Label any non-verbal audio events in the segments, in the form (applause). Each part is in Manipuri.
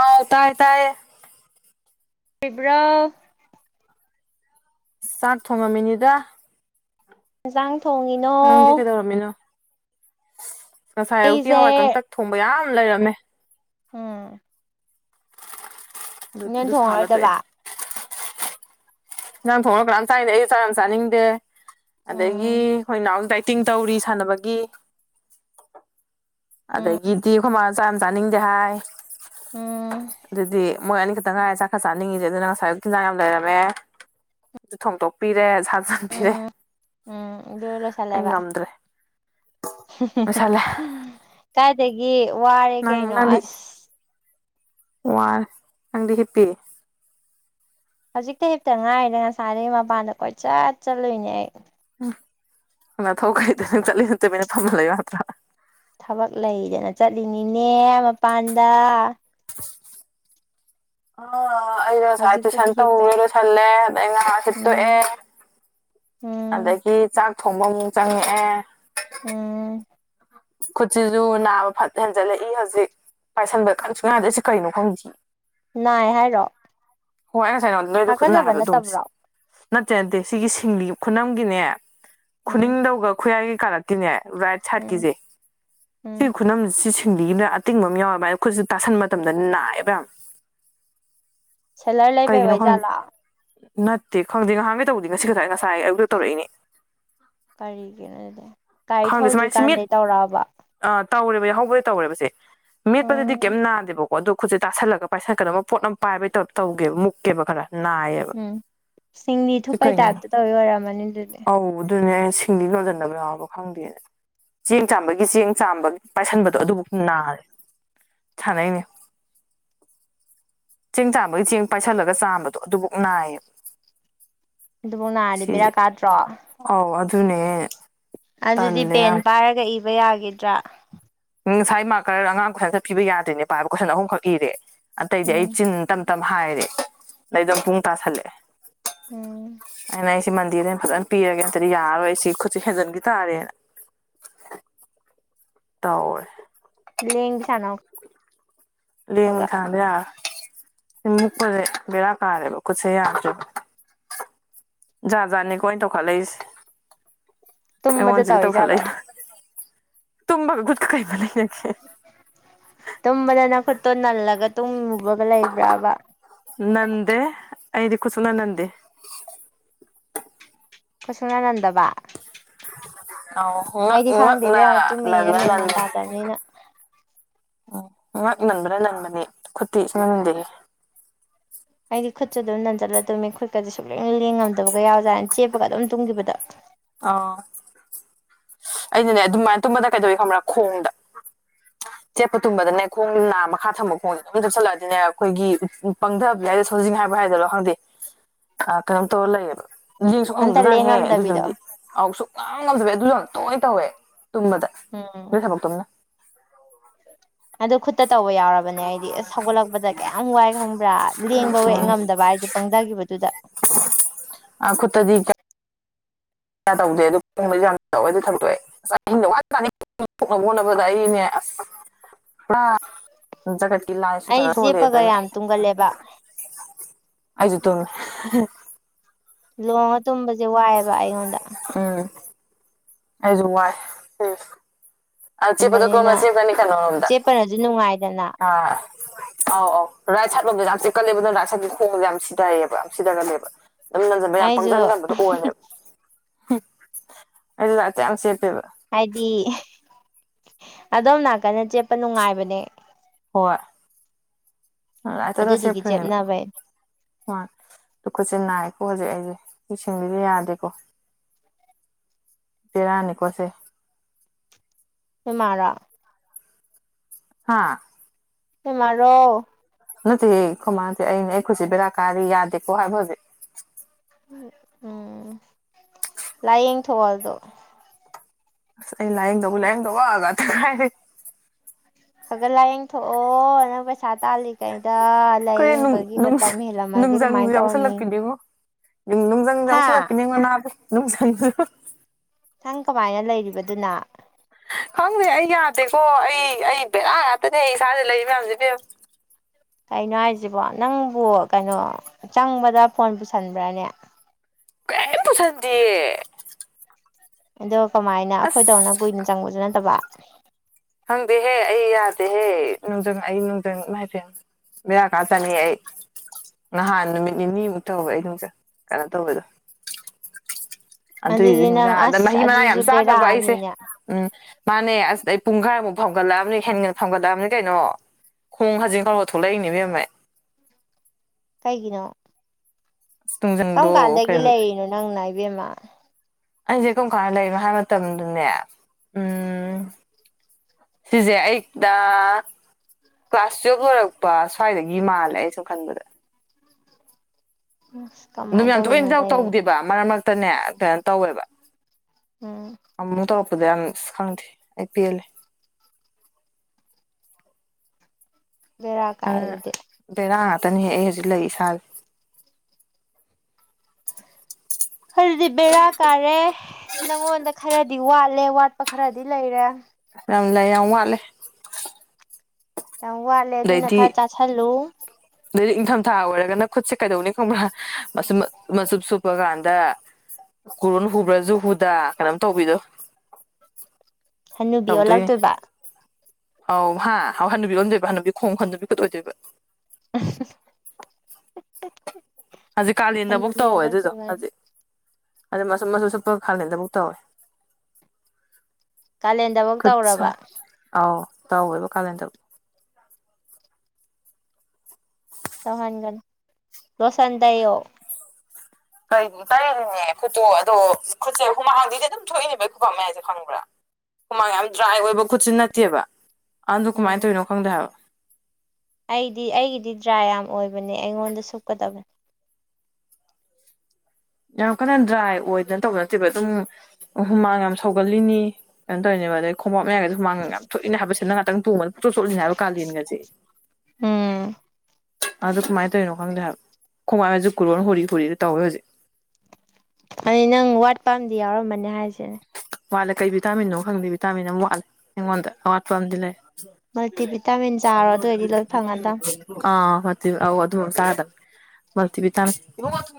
ꯑꯥꯎ ꯇꯥꯏ ꯇꯥꯏꯌꯦ ꯇꯕ꯭ꯔꯣ (unintelligible) ꯆꯥꯛ ꯊꯣꯡꯉꯝꯃꯤꯅꯤꯗ ꯌꯦꯟꯁꯥꯡ ꯊꯣꯡꯉꯤ ꯅꯪꯗꯤ ꯀꯩꯗꯧꯔꯝꯃꯤꯅꯣ ꯉꯁꯥꯏ ꯑꯌꯨꯛꯀꯤ ꯑꯩꯁꯦ ꯍꯋꯥꯏ ꯀꯪꯇꯛ ꯊꯣꯡꯕ ꯌꯥꯝ ꯂꯩꯔꯝꯃꯦ ꯎꯝ ꯌꯦꯟ ꯗꯨꯁꯥꯍꯜꯂ ꯊꯣꯡꯉꯔꯣꯏꯗꯕ ꯊꯣꯛꯑꯦ ꯏꯟꯁꯥꯡ ꯊꯣꯡꯅ ꯀꯅꯥꯝ ꯆꯥꯡꯅꯤꯡꯗꯦ ꯑꯩ ꯆꯥꯛ ꯌꯥꯝ ꯆꯥꯅꯤꯡꯗꯦ ꯑꯗꯒꯤ ꯎꯝ ꯑꯩꯏꯅꯅꯥꯎꯁꯨ ꯗꯥꯏꯇꯤꯡ ꯇꯧꯔꯤ ꯁꯥꯟꯅꯕꯒꯤ ꯎꯝ ꯑꯗꯒꯤꯗꯤ ꯑꯩꯈꯣꯏꯃꯁꯨ ꯆꯥꯛ ꯌꯥꯝ ꯆꯥꯅꯤꯡꯗꯦ ꯍꯥꯏ ꯎꯝ ꯑꯗꯨꯗꯤ ꯃꯣꯏ ꯑꯅꯤꯈꯛꯇꯪ ꯉꯥꯏꯔ ꯆꯥꯛ ꯈꯔ ꯆꯥꯅꯤꯡꯉꯤꯁꯦ ꯑꯗꯨꯅ ꯉꯁꯥꯏ ꯆꯤꯟꯖꯥꯡ ꯌꯥꯝ ꯂꯩꯔꯝꯃꯦ ꯑꯗꯨ ꯊꯣꯡꯗꯣꯛꯄꯤꯔꯦ ꯁꯥꯖꯟꯕꯤꯔꯦ ꯎꯝ ꯎꯝ ꯑꯗꯨ ꯂꯣꯏꯁꯜꯂꯦꯕ ꯂꯣꯏꯁꯜꯂꯦ ꯀꯥꯏꯗꯒꯤ ꯋꯥꯔꯦ ꯅꯪ ꯀꯩꯅꯣ ꯑꯁ ꯋꯥꯔ‌ꯦ ꯅꯪꯗꯤ ꯍꯤꯞꯄꯤ ꯍꯧꯖꯤꯛꯇ ꯍꯦꯞꯛꯇ ꯉꯥꯏꯔꯤꯗ ꯉꯁꯥꯏꯗꯒꯤ ꯃꯄꯥꯟꯗ ꯀꯣꯏꯆꯠ ꯆꯠꯂꯨꯏꯅꯦ ꯑꯩ ꯎꯝ ꯉ ꯊꯈꯩꯗꯅꯦ ꯆꯠꯂꯤ ꯅꯠꯇꯦꯃꯤꯅ ꯐꯝꯍꯜꯂ ꯅꯠꯇ꯭ꯔꯥ ꯊꯕꯛ ꯂꯩꯗꯅ ꯆꯠꯂꯤꯅꯤꯅꯦ ꯃꯄꯥꯟꯗꯥ (inaudible) ꯑꯣ ꯑꯩꯅ ꯉꯁꯥꯏ ꯍꯧꯖꯤꯛꯄꯨꯗꯤ ꯇꯨꯁꯟꯇ ꯍꯤꯞꯄꯦ (unintelligible) ꯂꯣꯏꯁꯜꯂꯦ ꯑꯗꯩ ꯑꯩꯅ ꯃꯥꯁꯦ ꯇꯣꯛꯑꯦ ꯎꯝ ꯎꯝ ꯑꯗꯒꯤ ꯆꯥꯛ ꯊꯣꯡꯕ ꯑꯃꯨꯛ ꯆꯪꯉꯛꯑꯦ ꯎꯝ ꯈꯨꯠꯖꯤꯖꯨ ꯅꯥꯕ ꯐꯠ ꯍꯦꯟꯖꯜꯂꯛꯏ ꯍꯧꯖꯤꯛ ꯄꯥꯏꯁꯟꯕ ꯀꯥꯟꯁꯨ (unintelligible) ꯁꯤ ꯀꯩꯅꯣ ꯈꯪꯗꯤ ꯅꯥꯏ ꯍꯥꯏꯔꯣ ꯍꯣꯏ ꯑꯩ ꯉꯁꯥꯏ ꯅꯉꯣꯟ ꯅꯣꯏꯗ ꯈꯨꯠꯅꯥꯏ ꯍꯥꯀꯠꯆꯕ ꯍꯥꯏꯕ ꯑꯗꯣꯝ ꯅꯠꯇꯕ꯭ꯔꯣ ꯅꯠꯇꯦ ꯅꯠꯇꯦ ꯁꯤꯒꯤ ꯁꯤꯡꯂꯤ ꯈꯨꯅꯝꯒꯤꯅꯦ ꯎꯝ ꯈꯨꯅꯤꯡꯗꯧꯒ ꯈꯨꯌꯥꯏꯒꯤ ꯀꯥꯔꯛ ꯇꯤꯅꯦ ꯔꯥꯏꯠ ꯎꯝ ꯁꯥꯠꯀꯤꯖꯦ ꯎꯝ ꯁꯤ ꯈꯨꯅꯝ ꯁꯤ ꯁꯤꯡꯂꯤ ꯑꯃ ꯑꯇꯤꯡꯕ ꯑꯃ ꯌꯥꯎꯋꯦꯕ ꯈꯨꯠꯁꯨ ꯇꯥꯁꯟꯕ ꯃꯇꯝꯗ ꯅꯥꯑꯦꯕ ꯌꯥꯝ (inaudible) ꯁꯦꯂꯔ ꯂꯩꯕꯩ ꯀꯩꯒꯤꯅꯣ ꯈꯪ ꯑꯣꯏꯖꯥꯠꯂꯣ ꯅꯠꯇꯦ ꯈꯪꯗꯦ ꯉꯥꯍꯥꯟꯒꯩ ꯇꯧꯕꯗꯤ ꯉꯁꯤ ꯈꯛꯇ ꯉꯁꯥꯏ ꯑꯌꯨꯛꯇꯩ ꯇꯧꯔꯛꯏꯅꯦ ꯀꯔꯤꯒꯤ (unintelligible) ꯒꯥꯔꯤ ꯈꯪꯗꯦ ꯁꯨꯃꯥꯏꯅ ꯁꯤ ꯃꯤꯠ ꯊꯧꯗ꯭ꯔꯤꯀꯥꯟꯗꯩ ꯇꯧꯔꯛꯑꯕꯣ ꯑ ꯇꯧꯔꯦꯕ ꯌꯥꯎꯍꯧꯕꯗ ꯇꯧꯔꯦꯕꯁꯦ ꯃꯦꯠꯄꯗꯗꯤ ꯎꯝ ꯀꯦꯝ ꯅꯥꯗꯦꯕ ꯑꯣ ꯑꯗꯨ ꯈꯨꯠꯁꯦ ꯇꯥꯁꯜꯂꯒ ꯄꯥꯏꯁꯟꯀꯗꯕ ꯄꯣꯠ ꯑꯃ ꯄꯥꯏꯕꯩ ꯇꯧꯇꯧꯒꯦꯕ ꯃꯨꯛꯀꯦꯕ ꯈꯔ ꯅꯥꯏꯌꯦ ꯎꯝ ꯁꯤꯡꯂꯤ ꯊꯨꯞꯄꯩ ꯇꯥꯏꯞꯇ ꯇꯧꯋꯤ ꯑꯣꯏꯔꯝꯃꯅꯤ ꯑꯗꯨꯗꯤ ꯑꯧ ꯑꯗꯨꯅꯦ ꯑꯩ ꯁꯤꯡꯂꯤ ꯂꯣꯟꯖꯟꯅꯕ ꯌꯥꯎꯔꯕ ꯈꯪꯗꯦꯅꯦ ꯆꯦꯡ ꯆꯥꯝꯕꯒꯤ ꯆꯦꯡ ꯆꯥꯝꯕ ꯄꯥꯏꯁꯟꯕꯗꯣ ꯑꯗꯨꯕꯨꯛ ꯅꯥꯔꯦ ꯊꯥꯅꯩꯅꯦ ꯆꯦꯡ ꯆꯥꯝꯕꯒꯤ ꯆꯦꯡ ꯄꯥꯏꯁꯜꯂꯒ ꯆꯥꯝꯕꯗꯣ ꯑꯗꯨꯕꯨꯛ ꯅꯥꯏꯌꯦꯕ ꯑꯗꯨꯕꯨꯛ ꯅꯥꯔꯗꯤ ꯕꯦꯔꯥ ꯀꯥꯗ꯭ꯔꯣ ꯑꯥꯎ ꯑꯗꯨꯅꯦ ꯑꯗꯨꯗꯤ ꯇꯜꯂꯦ ꯄꯦꯟ ꯌꯥꯝ ꯄꯥꯏꯔꯒ ꯏꯕ ꯌꯥꯒꯤꯗ꯭ꯔꯥ ꯎꯝ ꯉꯁꯥꯏ ꯃꯥꯔꯀꯔ ꯑꯉꯥꯡ ꯀꯣꯏꯁꯟ (unintelligible) ꯄꯤꯕ ꯌꯥꯗ꯭ꯔꯤꯅꯦ ꯄꯥꯏꯕ ꯀꯣꯏꯁꯟ ꯑꯍꯨꯝꯈꯛ ꯏꯔꯦ ꯑꯇꯩꯗꯤ ꯑꯩ ꯎꯝ ꯆꯤꯟ ꯇꯝ ꯇꯝ ꯍꯥꯏꯔꯦ ꯑꯗꯩ ꯑꯗꯨꯝ ꯄꯨꯡ ꯇꯥꯥꯁꯜꯂꯛꯑꯦ ꯎꯝ (unintelligible) ꯑꯩꯁꯤ ꯃꯟꯗꯦꯗꯩ ꯐꯖꯅ ꯄꯤꯔꯒꯦ ꯅꯠꯇꯗꯤ ꯌꯥꯔꯔꯣꯏ ꯁꯤ ꯈꯨꯠꯁꯦ ꯍꯦꯟꯖꯟꯒꯤ ꯇꯥꯔꯦꯅ ꯇꯧꯔꯦ ꯂꯦꯡꯕꯤ ꯁꯥꯟꯅꯧ ꯂꯦꯡꯉꯤ ꯈꯒ ꯈꯥꯟꯗ (unintelligible) ꯕꯦꯔꯥ ꯀꯥꯔꯦꯕ ꯈꯨꯠꯁꯦ ꯌꯥꯗ꯭ꯔꯦꯕ ꯖꯥꯠ ꯖꯥꯠꯅꯤꯀꯣ ꯑꯩꯅ ꯇꯧꯈꯠꯂꯛꯏꯁꯦ ꯇꯨꯝꯕꯗ ꯑꯩꯉꯣꯟꯁꯤꯗ ꯇꯧꯈꯠꯂꯩ ꯇꯧꯔꯤꯖꯥꯠꯂꯣ ꯇꯨꯃꯕꯒ ꯈꯨꯠꯀ ꯀꯩ (unintelligible) ꯂꯩꯅꯒꯦ ꯇꯨꯝꯕꯗ ꯅꯈꯨꯨꯠꯇꯣ ꯅꯜꯂꯒ ꯇꯨꯡꯉꯨꯕꯒ ꯂꯩꯕ꯭ꯔꯕ ꯅꯟꯗꯦ ꯑꯩꯗꯤ ꯈꯨꯨꯠ ꯁꯨꯅꯟ ꯅꯟꯗꯦ ꯈꯨꯠ ꯁꯨꯅꯟ ꯅꯟꯗꯕ ꯑꯎ ꯉꯛ ꯑꯩꯗꯤ ꯈꯪꯗꯦ ꯉꯛꯅ ꯏꯕꯦꯝꯃ ꯇꯨꯝꯃꯤꯅꯤꯅ ꯅꯟꯕꯅ ꯃꯦꯟ ꯃꯥꯟ ꯅꯟꯕꯅꯤ ꯇꯥꯗꯕꯅꯤꯅ ꯉꯛ ꯅꯟꯕꯅ ꯅꯟꯕꯅꯤ ꯈꯨꯠꯇꯤ ꯁꯨꯡꯅꯟ ꯅꯟꯗꯦꯍꯦ ꯑꯩꯗꯤ ꯈꯨꯠꯁꯨ ꯑꯗꯨꯝ ꯅꯟꯖꯜꯂ ꯇꯨꯝꯃꯤ ꯈꯨꯠꯀꯗꯤ ꯁꯨꯛꯂꯦꯡ ꯂꯦꯡꯉꯝꯗꯕꯒ ꯌꯥꯎꯖꯥꯅꯦ ꯆꯦꯞꯄꯒ ꯑꯗꯨꯝ ꯇꯨꯝꯈꯤꯕꯗ ꯑꯥꯎ ꯑꯩꯅꯅꯦ ꯑꯗꯨꯃꯥꯏꯅ ꯇꯨꯝꯕꯗ ꯀꯩꯗꯧꯏ ꯈꯪꯕ꯭ꯔꯥ ꯈꯣꯡꯗ ꯆꯦꯠꯄ ꯇꯨꯝꯕꯗꯅꯦ ꯈꯣꯡ ꯅꯥ ꯃꯈꯥ ꯊꯝꯕ ꯈꯣꯡꯖꯦ ꯑꯗꯨꯝ ꯆꯞꯁꯤꯜꯂꯛꯑꯗꯤꯅꯦ ꯑꯈꯣꯏꯒꯤ ꯄꯪꯗꯕꯅꯦ ꯍꯥꯏꯗ ꯁꯣꯖꯤꯡ ꯍꯥꯏꯕ ꯍꯥꯏꯗꯕꯈꯔ ꯈꯪꯗꯦ ꯑ ꯀꯩꯅꯣꯝ ꯇꯧꯔ ꯂꯩꯌꯦꯕ ꯌꯦꯡ ꯑꯝꯇ (unintelligible) ꯍꯦ ꯂꯦꯡꯉꯝꯗꯕꯤꯗꯣ ꯑꯗꯨꯗꯨꯅꯗꯤ ꯑꯥꯎ ꯁꯨꯛꯉꯝ ꯉꯝꯗꯕꯤ ꯑꯗꯨꯁꯨ ꯌꯥꯝ ꯇꯣꯏꯅ ꯇꯧꯋꯦ ꯇꯨꯝꯕꯗ ꯎꯝ (unintelligible) ꯑꯗꯨ ꯈꯨꯠꯇ ꯇꯧꯕ ꯌꯥꯎꯔꯕ ꯕꯅꯦ ꯍꯥꯏꯗꯤ ꯑꯁ ꯍꯧꯒꯠꯂꯛꯄꯗ ꯀꯌꯥꯝ ꯋꯥꯏ ꯈꯪꯕ꯭ꯔꯥ ꯂꯦꯡꯕ ꯋꯦꯠ ꯉꯝꯗꯕ ꯍꯥꯏꯁꯦ ꯄꯪꯊꯒꯤꯈꯤꯕꯗꯨꯗ ꯑꯈꯨꯠꯇꯗꯤ ꯀꯌꯥ ꯇꯧꯗꯦ ꯑꯗꯨ ꯈꯣꯡꯕꯗꯁꯨ ꯌꯥꯝ ꯇꯧꯋꯦ ꯑꯗꯨ ꯊꯕꯛꯇꯣꯛꯑꯦ (unintelligible) ꯖꯒꯠ ꯀꯤ ꯂꯥꯏ ꯁꯨ ꯑꯩ ꯆꯦꯞꯄꯒ ꯆꯣꯂꯦꯗꯨꯅꯤ ꯌꯥꯝ ꯇꯨꯝꯒꯜꯂꯦꯕ ꯑꯩꯖꯨ ꯇꯨꯝꯃꯤ ꯂꯣꯡꯉ ꯇꯨꯝꯕꯁꯦ ꯋꯥꯏꯑꯦꯕ ꯑꯩꯉꯣꯟꯗ ꯎꯝ ꯑꯩꯁꯨ ꯋꯥꯏ ꯑ ꯆꯦꯄꯗꯨ ꯀꯣꯝ ꯇꯨꯝꯕꯅꯤꯅ ꯅ ꯆꯦꯞ ꯀꯅꯤ ꯀꯅꯣꯝꯗ ꯆꯦꯞꯄꯅꯁꯨ ꯅꯨꯡꯉꯥꯏꯗꯅ ꯍꯥ ꯑꯧ ꯑꯥꯎ ꯔꯥꯏꯠ ꯁꯥꯏꯠ ꯂꯣꯝꯗ ꯌꯥꯝ ꯆꯤꯛꯀꯜꯂꯦꯕ ꯑꯗꯨꯅ ꯔꯥꯏꯠ ꯁꯥꯏꯠꯀꯤ ꯈꯣꯡ ꯌꯥꯝ ꯁꯤꯊꯔꯛꯑꯦꯕ ꯌꯥꯝ ꯁꯤꯊꯒꯜꯂꯦꯕ ꯑꯗꯨꯝ ꯅꯟꯖꯟꯕ ꯌꯥꯝ ꯑꯩꯁꯨ ꯄꯪꯖꯟ ꯒꯟꯕꯗꯣ ꯑꯣꯏꯌꯦꯕ ꯑꯩꯗꯤ ꯉꯥꯛꯇ ꯌꯥꯝ ꯆꯦꯞꯄꯦꯕ ꯍꯥꯏꯗꯤ ꯑꯗꯣꯝ ꯅꯥ ꯀꯟꯅ ꯆꯦꯠꯄ ꯅꯨꯡꯉꯥꯏꯕꯅꯦ ꯍꯣꯏ ꯔꯥꯏꯠꯇꯅ ꯑꯗꯨꯗꯨꯒꯤ ꯆꯦꯞꯄꯤꯅꯦꯕ ꯆꯦꯞꯅꯕꯩ ꯍꯣꯏ ꯑꯗꯨ ꯈꯨꯠꯁꯦ ꯅꯥꯏꯌꯦꯀꯣ ꯍꯧꯖꯤꯛ ꯑꯩꯁꯦꯁꯤꯡꯂꯤꯗꯤ ꯌꯥꯗꯦꯀꯣ ꯄꯦꯔ ꯅꯤꯀꯣꯁꯦ ꯅꯣꯏ ꯃꯥꯔꯣ ꯍꯥꯥ ꯅꯣꯏ ꯃꯥꯔꯣ ꯅꯠꯇꯦꯍꯦ ꯈꯣꯏ ꯃꯥꯗꯦ ꯑꯩꯅꯦ ꯑꯩꯈꯨꯠꯁꯤ ꯕꯦꯔꯥ ꯀꯥꯔꯤ ꯌꯥꯗꯦꯀꯣ ꯍꯥꯏꯕ ꯍꯧꯖꯤꯛ ꯎꯝ ꯂꯥꯏꯌꯦꯡꯊꯣꯛꯑꯣ ꯑꯗꯣ ꯑꯁ ꯑꯩ ꯂꯥꯏꯌꯦꯡꯗꯧꯕ ꯂꯥꯏꯌꯦꯡꯗꯧꯕ ꯉꯥꯛꯇ ꯉꯥꯏꯔꯦ ꯈꯒꯠ ꯂꯥꯏꯌꯦꯡꯊꯣꯛꯑꯣ ꯅꯪ ꯄꯩꯁꯥ ꯇꯥꯜꯂꯤ ꯀꯩꯗ ꯑꯈꯣꯏ ꯅꯨꯡ ꯅꯨꯡꯖꯪ ꯁꯨ ꯇꯧꯔꯅꯤ ꯌꯥꯎꯁꯜꯂꯛꯄꯤꯅꯦꯉꯣ ꯅꯨꯡꯁꯡ ꯍꯥ ꯌꯥꯎꯁꯟꯂꯛꯄꯤꯅꯦꯕꯣ ꯅꯕꯤ ꯅꯨꯡꯁꯡ ꯁꯪ ꯀꯃꯥꯏꯅ ꯂꯩꯔꯤꯕꯑꯗꯨꯅ ꯈꯪꯗꯦ ꯑꯩ ꯌꯥꯗꯦꯀꯣ ꯑꯩ ꯑꯩ ꯕꯦꯔꯥ ꯉꯥꯛꯇꯅꯦ ꯑꯩ ꯏꯁꯥꯗ ꯂꯩ ꯔꯤ ꯃꯌꯥꯝꯁꯦ ꯏꯕꯦꯝꯃꯥ ꯀꯩꯅꯣ ꯍꯥꯏꯁꯤꯕꯣ ꯅꯪꯕꯨ ꯀꯩꯅꯣ ꯆꯪꯕꯗ ꯐꯣꯟ ꯄꯨꯁꯟꯕ꯭ꯔꯅꯦ ꯀꯔꯤꯝ ꯄꯨꯁꯤꯟꯗꯤꯌꯦ ꯑꯗꯨꯒ ꯀꯃꯥꯏꯅ ꯑꯁ ꯑꯩꯈꯣꯏꯗꯧꯅ ꯀꯨꯏꯅ ꯆꯪꯕꯁꯨ ꯅꯠꯇꯕ ꯈꯪꯗꯦꯍꯦ ꯑꯩ ꯌꯥꯗꯦꯍꯦ ꯅꯨꯡꯖꯪ ꯑꯩ ꯅꯨꯡꯖꯪ ꯏꯃꯥꯏ ꯄꯦꯝꯃꯥ ꯕꯦꯔꯥ ꯀꯥꯖꯅꯤ ꯑꯩ ꯈꯍꯥꯟ ꯅꯨꯃꯤꯠ ꯅꯤꯅꯤꯃꯨꯛ ꯇꯧꯋꯦ ꯑꯩ ꯅꯨꯡꯖꯡ ꯀꯩꯅꯣ ꯇꯧꯕꯗꯣ ꯑꯗꯨꯏꯁꯨ ꯑꯗꯨꯗꯤ ꯅꯪ ꯍꯤꯟꯖꯥꯡ ꯑꯗ ꯑꯁ ꯃꯍꯤ ꯃꯅꯥꯏ ꯌꯥꯝ ꯑꯗꯨꯁꯨ ꯕꯦꯔꯥ ꯆꯥꯗꯕ ꯑꯩꯁꯦ ꯑꯃꯅꯤꯅꯦ ꯎꯝ ꯃꯥꯅꯦ ꯑꯁ ꯑꯩ ꯄꯨꯡ ꯈꯥꯏꯃꯨꯛ ꯐꯝꯒꯠꯂꯛꯑꯕꯅꯤ ꯍꯦꯟꯅ ꯐꯝꯒꯠꯂꯛꯑꯕꯅꯤ ꯀꯩꯅꯣ ꯈꯣꯡ ꯍꯥꯖꯤꯡ ꯍꯧꯔꯥ ꯊꯣꯛꯂꯛꯏꯅꯦ ꯕꯦꯝꯃꯥ ꯑꯩ ꯀꯩꯒꯤꯅꯣ ꯑꯁ ꯀꯔꯝ ꯅꯨꯡꯖꯪꯗꯣ ꯀꯥꯟꯗꯒꯤ ꯀꯩꯅꯣ ꯂꯩꯔꯤꯅꯣ ꯅꯪꯅ ꯏꯕꯦꯝꯃ ꯑꯩꯁꯦ ꯀꯝ ꯀꯥꯟꯅ ꯂꯩꯅꯣ ꯍꯥꯏ ꯃꯇꯝꯗꯅꯦ ꯎꯝ ꯁꯤꯁꯦ (unintelligible) ꯀ꯭ꯂꯥꯁ ꯇꯨꯌꯦꯜꯕ ꯂꯣꯏꯔꯛꯄ ꯁ꯭ꯋꯥꯏꯗꯒꯤ ꯃꯥꯜꯂꯦ ꯑꯩ ꯁꯨꯝ ꯈꯟꯕꯗ ꯎꯝ ꯑꯗꯨꯝ ꯌꯥꯝ ꯇꯣꯏꯅ (unintelligible) ꯇꯧꯗꯦꯕ ꯃꯔꯛ ꯃꯔꯛꯇꯅꯦ ꯀꯩꯅꯣ ꯇꯧꯋꯦꯕ ꯎꯝ ꯑꯃꯨꯛꯃꯨꯛ ꯇꯧꯔꯛꯄꯗ ꯌꯥꯝ ꯑꯁ ꯈꯪꯗꯦ ꯑꯩ ꯄꯦꯜꯂꯦ ꯕꯦꯔꯥ ꯀꯥꯏ ꯑꯗꯨꯅ ꯑꯗꯨꯗꯤ ꯕꯦꯔꯥ ꯉꯥꯛꯇꯅꯤꯍꯦ ꯑꯩ ꯍꯧꯖꯤꯛ ꯂꯩ ꯏꯁꯥꯖꯦ ꯑꯗꯨꯗꯤ ꯕꯦꯔꯥ ꯀꯥꯔꯦ ꯅꯪꯉꯣꯟꯗ ꯈꯔꯗꯤ ꯋꯥꯠꯂꯦ ꯋꯥꯠꯄ ꯈꯔꯗꯤ ꯂꯩꯔꯦ ꯌꯥꯝꯂꯩꯥ ꯌꯥꯝ ꯋꯥꯠꯂꯦ ꯌꯥꯝ ꯋꯥꯠꯂꯦ ꯑꯗꯨꯅ ꯈꯔ ꯆꯥꯁꯤꯜꯂꯨ ꯑꯗꯨꯗꯩꯩ ꯏꯪꯊꯝꯊꯥ ꯑꯣꯏꯔꯒꯅ ꯈꯨꯠꯁꯦ ꯀꯩꯗꯧꯅꯤ ꯈꯪꯕ꯭ꯔꯥ ꯃꯆ ꯃꯆꯨꯞ ꯁꯨꯞꯄ ꯀꯥꯟꯗ ꯀꯨꯔꯣꯟ ꯍꯨꯕ꯭ꯔꯁꯨ ꯍꯨꯗꯥ ꯀꯩꯅꯣꯝ ꯇꯧꯕꯤꯗꯣ ꯍꯟꯅꯨꯕꯤ ꯇꯧꯗꯣꯏꯅꯤ ꯑꯣꯜꯂꯛꯇꯣꯏꯕ ꯑꯧ ꯍꯥꯥꯎ ꯍꯟꯅꯕꯤ ꯑꫭꯟꯗꯨꯏꯕ ꯍꯟꯅꯕꯤ ꯈꯣꯡ ꯍꯟꯅꯕꯤ ꯈꯨ ꯑꯣꯏꯗꯣꯏꯕ (unintelligible) ꯍꯧꯖꯤꯛ ꯀꯥꯂꯦꯟꯗꯕꯨꯛ ꯍꯟꯅꯨꯕꯤ ꯇꯧꯋꯦ ꯑꯗꯨꯗꯣ ꯑꯣꯜꯂꯛꯇꯣꯏꯕ ꯍꯧꯖꯤꯛ ꯑꯗ ꯃꯁꯨꯞ ꯃꯁꯨꯞ ꯁꯨꯞꯄ ꯀꯥꯂꯦꯟꯗ ꯐꯥꯎ ꯇꯧꯋꯦ ꯀꯥꯂꯦꯟꯗꯕ ꯐꯥꯎ ꯈꯨꯠ ꯇꯧꯔꯕ ꯁꯥ ꯑꯧ ꯇꯧꯋꯦꯕ ꯀꯥꯂꯦꯟꯇ ꯇꯧꯍꯟꯒꯅꯨ ꯂꯣꯁꯟ ꯇꯩꯌꯣ ꯀꯩꯅꫭ ꯇꯩꯔꯤꯅꯦ ꯈꯨꯠꯇꯣ ꯑꯗꯣ ꯈꯨꯠꯁꯦ ꯍꯨꯃꯥꯡꯗꯤ ꯑꯗꯨꯝ ꯊꯣꯛꯏꯅꯦꯕ ꯈꯨꯄꯥꯛꯞ ꯃꯌꯥꯁꯦ ꯈꯪꯕ꯭ꯔꯥ ꯍꯨꯃꯥꯡ ꯌꯥꯝ ꯗ꯭ꯔꯥꯏ ꯑꯣꯏꯕ ꯈꯨꯠꯁꯨ ꯅꯠꯇꯦꯕ ꯑꯗ ꯀꯃꯥꯏꯅ ꯎꯝ ꯇꯧꯔꯤꯅꯣ ꯈꯪꯗꯦ ꯍꯥꯏꯕ ꯑꯩꯗꯤ ꯑꯩꯒꯤꯗꯤ ꯗ꯭ꯔꯥꯏ ꯌꯥꯝ ꯑꯣꯏꯕꯅꯦ ꯑꯩꯉꯣꯟꯗ ꯁꯨꯛꯀꯗꯕꯅꯦ ꯌꯥꯝ ꯀꯟꯅ ꯗ꯭ꯔꯥꯏ ꯑꯣꯏꯗꯅ ꯇꯧꯕ ꯅꯠꯇꯦꯕ ꯑꯗꯨꯝ ꯑꯣ ꯍꯨꯃꯥꯡ ꯌꯥꯝ ꯁꯧꯒꯠꯂꯤꯅꯤ ꯀꯩꯅꯣ ꯇꯧꯔꯤꯅꯦꯕ ꯑꯗꯩ ꯈꯣꯡꯕꯥꯞ ꯃꯌꯥꯒꯁꯦ ꯍꯨꯃꯡ ꯌꯥꯝ ꯊꯣꯛꯏꯅꯦ ꯍꯥꯏꯕ ꯁꯦꯟꯗꯟ ꯉꯥꯡꯇꯥꯡ ꯇꯣꯡꯕꯅ ꯄꯨꯟꯆꯣꯠ ꯆꯣꯠꯁꯤꯅꯤ ꯍꯥꯏꯕ ꯀꯥꯂꯦꯟꯒꯁꯦ꯫ ꯎꯝ (inaudible) ꯑꯗꯣ ꯀꯃꯥꯏꯅ ꯇꯧꯔꯤꯅꯣ ꯈꯪꯗꯦ ꯍꯥꯏꯕ (unintelligible) ꯀꯨꯔꯣꯟ ꯍꯣꯔꯤ ꯍꯣꯔꯤ ꯇꯧꯋꯦ ꯍꯧꯖꯤꯛ ꯑꯩ ꯅꯪ ꯋꯥꯠꯄ ꯑꯝꯗꯤ ꯌꯥꯎꯔꯝꯃꯅꯤ ꯍꯥꯏꯁꯤꯅꯦ ꯋꯥꯠꯂꯦ ꯀꯩ ꯚꯤꯇꯥꯃꯤꯟꯅꯅꯣ ꯈꯪꯗꯦ ꯚꯤꯇꯥꯃꯤꯟ ꯑꯃ ꯋꯥꯠꯂꯦ ꯑꯩꯉꯣꯟꯗ ꯑꯋꯥꯠꯄ ꯑꯃꯗꯤ ꯂꯩ ꯃꯜꯇꯤꯚꯤꯇꯥꯃꯤꯟ ꯆꯥꯔꯣ ꯑꯗꯨ ꯑꯣꯏꯗꯤ ꯂꯣꯏ ꯐꯪꯉꯗꯝꯅꯦ ꯑꯥ ꯃꯜꯇꯤ ꯑꫭ ꯑꯗꯨ ꯑꯃ ꯆꯥꯔꯗꯨꯕꯅꯦ ꯃꯜꯇꯤꯚꯤꯇꯥꯃꯤꯟ (unintelligible)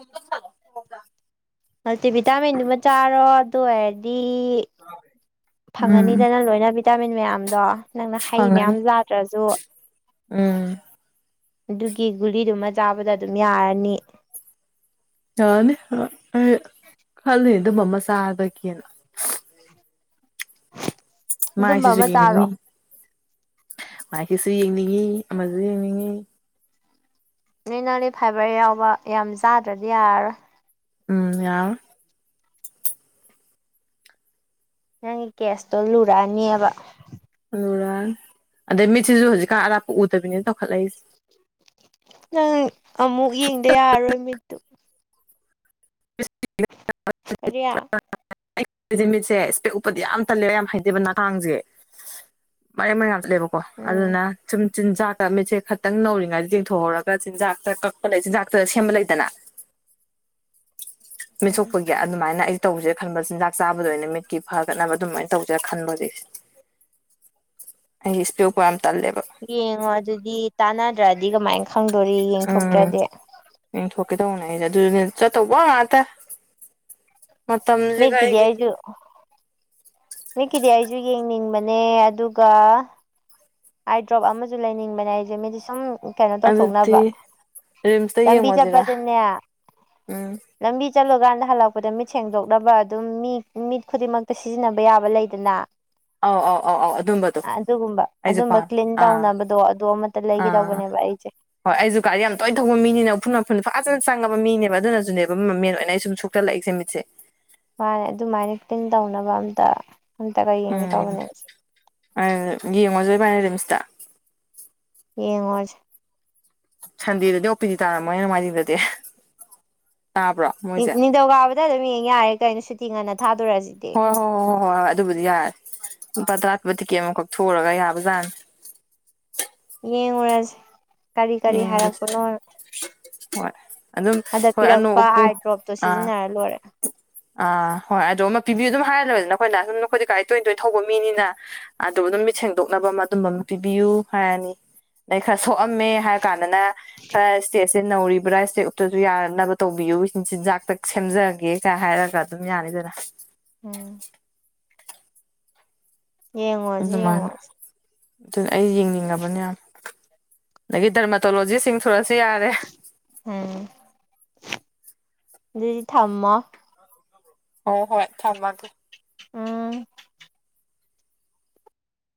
ꯃꯜꯇꯤꯚꯤꯇꯥꯃꯤꯟꯗꯨꯃ ꯆꯥꯔꯣ ꯑꯗꯨ ꯑꯣꯏꯔꯗꯤ ꯎꯝ ꯐꯪꯉꯅꯤꯗꯅ ꯂꯣꯏꯅ ꯚꯤꯇꯥꯃꯤꯟ ꯃꯌꯥꯝꯗꯣ ꯅꯪꯅ ꯍꯩ ꯃꯌꯥꯝ ꯐꯪꯉꯅꯤ ꯌꯥꯥꯗ꯭ꯔꯁꯨ ꯎꯝ꯫ ꯑꯗꯨꯒꯤ ꯒꯨꯂꯤꯗꯨꯃ ꯆꯥꯕꯗ ꯑꯗꯨꯝ ꯌꯥꯔꯅꯤ ꯌꯥꯅꯤ ꯑꯩ ꯈꯜꯂꯤ ꯑꯗꯨꯝ ꯃꯥ ꯑꯃ ꯆꯥꯕꯒꯤꯅ ꯑꯗꯨꯝꯕ ꯃꯥꯥꯏꯁꯤꯁꯨ ꯑꯃ ꯌꯦꯡꯅꯤꯡꯉꯤ ꯆꯥꯔꯣ ꯃꯥꯥꯏꯒꯤꯁꯨ ꯌꯦꯡꯅꯤꯡꯉꯤ ꯑꯃꯁꯨ ꯌꯦꯡꯅꯤꯡꯏ ꯅꯪꯗꯤ ꯐꯥꯏꯕꯔ ꯌꯥꯎꯕ ꯌꯥꯝ ꯆꯥꯗ꯭ꯔꯗꯤ ꯌꯥꯔꯔꯣꯏ ꯎꯝ ꯌꯥꯔꯔꫭꯏ ꯅꯪꯒꯤ ꯀꯦꯁꯇꯣ ꯂꯨꯔꯛꯑꯅꯦꯕ ꯑꯂꯨꯔꯥꯅꯤ ꯑꯗꯩ ꯃꯤꯠꯁꯤꯁꯨ ꯍꯧꯖꯤꯛꯀꯥꯟ ꯑꯔꯥꯞꯄ ꯎꯗꯕꯤꯅꯤꯅ ꯇꯧꯈꯠꯂꯛꯏꯁꯦ ꯅꯪ ꯑꯃꯨꯛ ꯌꯦꯡꯗ ꯌꯥꯔꯔꯣꯏ ꯃꯤꯠꯇꯨ ꯀꯔꯤ (unintelligible) ꯑꯩꯃꯤꯠꯁꯦ ꯏꯁꯄꯦꯛ ꯎꯞꯄꯗꯤ ꯌꯥꯝ ꯇꯜꯂꯦꯕ ꯌꯥꯝ ꯍꯩꯇꯦꯕ ꯅꯥꯈꯥꯡꯁꯦ ꯃꯔꯦꯡ ꯃꯔꯦꯡ ꯌꯥꯝ ꯆꯠꯂꯦꯕꯀꯣ ꯎꯝ ꯑꯗꯨꯅ ꯆꯨꯝ ꯆꯤꯟꯖꯥꯛꯇ ꯃꯤꯠꯁꯦ ꯈꯛꯇꯪ ꯅꯧꯔꯤꯉꯩꯗ ꯌꯦꯡꯊꯣꯛꯍꯧꯔꯒ ꯆꯤꯟꯖꯥꯛꯇ ꯀꯛꯄ ꯂꯩ ꯆꯤꯟꯖꯥꯛꯇ ꯁꯦꯝꯕ ꯂꯩꯗꯅ ꯎꯝ ꯃꯤꯠꯁꯣꯛꯄꯒꯤ ꯑꯗꯨꯃꯥꯏꯅ ꯑꯩ ꯇꯧꯁꯦ ꯈꯟꯕ ꯆꯤꯟꯖꯥꯛ ꯆꯥꯕꯗ ꯑꯣꯏꯅ ꯃꯤꯠꯀꯤ ꯐꯒꯠꯅꯕ ꯑꯗꯨꯃꯥꯏꯅ ꯇꯧꯁꯦ ꯈꯟꯕ ꯍꯧꯖꯤꯛꯁꯦ ꯑꯩ ꯏꯁ꯭ꯄꯦꯛ ꯎꯞꯄ ꯌꯥꯝ ꯇꯜꯂꯦꯕ ꯌꯦꯡꯉꯣ ꯑꯗꯨꯗꯤ ꯇꯥꯟꯅꯗ꯭ꯔꯗꯤ ꯀꯃꯥꯏ ꯈꯪꯗꯣꯔꯤ ꯎꯝ ꯌꯦꯡꯊꯣꯛꯇ꯭ꯔꯗꯤ ꯌꯦꯡꯊꯣꯛꯀꯦ ꯇꯧꯕꯅꯦ ꯑꯩꯁꯦ ꯑꯗꯨꯗꯨꯅꯦ ꯆꯠꯇꯧꯕ ꯉꯥꯛꯇ ꯃꯇꯝꯁꯤꯒ ꯑꯩꯒꯤ (unintelligible) ꯃꯤꯠꯀꯤꯗꯤ ꯑꯩꯁꯨ ꯌꯦꯡꯅꯤꯡꯕꯅꯦ ꯑꯗꯨꯒ ꯑꯥꯏꯗ꯭ꯔꯣꯞ ꯑꯃꯁꯨ ꯂꯩꯅꯤꯡꯕꯅꯦ ꯑꯩꯁꯦ ꯃꯤꯗꯤ ꯁꯨꯝ ꯀꯩꯅꯣ ꯑꯗꯨꯗꯤ ꯇꯧꯊꯣꯛꯅꯕ ꯔꯤꯝꯁꯇ ꯂꯝꯕꯤ ꯌꯦꯡꯉꯣꯁꯤꯔꯥ ꯆꯠꯄꯗꯅꯦ ꯎꯝ ꯂꯝꯕꯤ ꯆꯠꯂꯨꯀꯥꯟꯗ ꯍꯜꯂꯛꯄꯗ ꯃꯤꯠ ꯁꯦꯡꯗꯣꯛꯅꯕ ꯑꯗꯨꯝ ꯃꯤ ꯃꯤꯠ ꯈꯨꯗꯤꯡꯃꯛꯇ ꯁꯤꯖꯤꯟꯅꯕ ꯌꯥꯕ ꯂꯩꯗꯅ ꯑꯥꯎ ꯑꯥꯎ ꯑꯥꯎ ꯑꯥꯎ ꯑꯗꯨꯝꯕꯗꯣ ꯑꯗꯨꯒꯨꯝꯕ ꯑꯩꯁꯨ ꯑꯗꯨꯝꯕ ꯄꯥꯝ ꯀ꯭ꯂꯤꯟ ꯑꯥ ꯇꯧꯅꯕꯗꯣ ꯑꯗꯨ ꯑꯃꯇ ꯂꯩꯒꯦ ꯑꯥ ꯇꯧꯕꯅꯦꯕ ꯑꯩꯁꯦ ꯍꯣꯏ ꯑꯩꯁꯨ ꯒꯥꯔꯤ ꯌꯥꯝ ꯇꯣꯏꯅ ꯊꯧꯕ ꯃꯤꯅꯤꯅ ꯎꯐꯨꯟ ꯋꯥꯏꯐꯨꯟ ꯐꯖꯅ ꯆꯪꯉꯕ ꯃꯤꯅꯦꯕ ꯑꯗꯨꯅꯁꯨꯅꯦꯕ ꯃꯦꯟ ꯑꯣꯏꯅ ꯑꯩ ꯁꯨꯝ unintelligible inaudible -ꯃꯤꯠꯁꯦ ꯃꯥꯅꯦ ꯑꯗꯨꯃꯥꯏꯅ ꯀ꯭ꯂꯤꯟ ꯇꯧꯅꯕ ꯑꯝꯇ ꯑꯝꯇꯒ ꯌꯦꯡꯒꯦ ꯎꯝ ꯇꯧꯕꯅꯦ ꯑꯩꯁꯦ ꯌꯦꯡꯉꯨꯁꯦ ꯏꯕꯅꯤ ꯔꯤꯝꯁꯇ ꯌꯦꯡꯉꯨꯔꯁꯦ ꯁꯟꯗꯦꯗꯗꯤ ꯑꯣ ꯄꯤ ꯗꯤ ꯇꯥꯔꯝꯃꯣꯏꯅꯦ ꯅꯣꯡꯃꯥꯏꯖꯤꯡꯗꯗꯤ ꯇꯥꯕ꯭ꯔꯣ ꯃꯣꯏꯁꯦ ꯅꯤꯡꯊꯧꯀꯥꯕꯗ ꯑꯗꯨꯝ ꯌꯦꯡ ꯌꯥꯔꯦ ꯀꯩꯅꯣ ꯁꯨꯇꯤ ꯉꯟꯅ ꯊꯥꯗꯣꯔꯁꯤ unintelligible ꯍꯣꯏ ꯍꯣꯏ ꯍꯣꯏ ꯍꯣꯏ ꯍꯣꯏ ꯍꯣꯏ ꯑꯗꯨꯕꯨꯗꯤ ꯌꯥꯔꯦ ꯂꯨꯄꯥ ꯇꯔꯥ ꯄꯤꯕꯥ ꯇꯤꯛꯀꯦꯠ ꯑꯃ ꯃꯝ ꯀꯛꯊꯣꯛꯎ ꯨꯔꯒ ꯌꯥꯕ ꯖꯥꯠꯅꯤ ꯌꯦꯡꯉꯨꯔꯁꯦ ꯀꯔꯤ ꯀꯔꯤ ꯌꯦꯡꯎꯔꯁꯤ ꯍꯥꯏꯔꯛꯄꯅꯣ ꯍꯣꯏ ꯑꯗꯨꯝ ꯍꯣꯏ ꯑꯅꯣꯛ ꯎꯞꯄꯨ ꯑꯥ ꯍꯜꯂꯣꯏꯔꯦ ꯑꯥ ꯍꯣꯏ ꯑꯥꯢꯗꯔꯣꯞ ꯑꯃ ꯄꯤꯕꯤꯌꯨ ꯑꯗꯨꯝ ꯍꯥꯏꯔꯂꯣꯏꯔꯦꯗꯅ ꯑꯩꯈꯣꯏꯅ ꯑꯗꯨꯝ ꯑꯩꯈꯣꯏꯗꯤ ꯒꯥꯔꯤ ꯇꯣꯏ ꯇꯣꯏꯅ ꯊꯧꯕ ꯃꯤꯅꯤꯅ ꯑꯥꯏꯗꯔꯣꯞ ꯑꯃ ꯃꯤꯠ ꯁꯦꯡꯗꯣꯛꯅꯕ ꯑꯃ ꯑꯗꯨꯝꯕ ꯑꯃ ꯄꯤꯕꯤꯌꯨ ꯍꯥꯏꯔꯅꯤ ꯑꯗꯩ ꯈꯔ ꯁꯣꯛꯑꯝꯃꯦ ꯍꯥꯏꯔ ꯀꯥꯟꯗꯅ ꯈꯔ ꯏꯁꯇꯦꯖ ꯅꯧꯔꯤꯕ꯭ꯔꯥ ꯏꯁꯄꯦꯛ ꯎꯞꯇꯔ꯭ꯁꯨ ꯌꯥꯅꯕ ꯇꯧꯕꯤꯌꯨ ꯆꯤꯟ ꯆꯤꯟꯖꯥꯛꯇ ꯁꯦꯝꯖꯒꯦ ꯍꯥꯏꯔꯒ ꯑꯗꯨꯝ ꯌꯥꯅꯤꯗꯅ ꯎꯝ ꯌꯦꯡꯉꯣꯁꯤ ꯑꯗꯨ ꯃꯥꯏꯅ ꯌꯦꯡꯉꯣꯁꯤ ꯑꯗꯨꯅ ꯑꯩ ꯌꯦꯡꯅꯤꯡꯉꯕꯅꯦ ꯌꯥꯝ ꯑꯗꯒꯤ ꯗꯔꯥꯃꯇꯣꯂꯣꯖꯤꯁꯁꯤꯡ inaudible ꯌꯥꯔꯦ ꯎꯝ ꯑꯗꯨꯗꯤ ꯊꯝꯃꯣ ꯍꯣꯏ ꯍꯣꯏ ꯊꯝꯃꯒꯦ ꯎꯝ